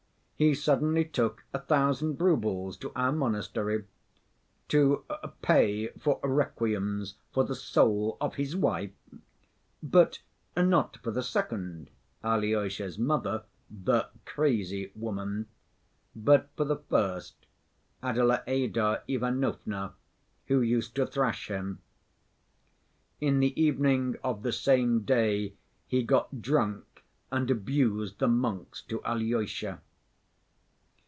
He suddenly took a thousand roubles to our monastery to pay for requiems for the soul of his wife; but not for the second, Alyosha's mother, the "crazy woman," but for the first, Adelaïda Ivanovna, who used to thrash him. In the evening of the same day he got drunk and abused the monks to Alyosha.